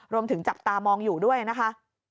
จับตามองอยู่ด้วยนะคะ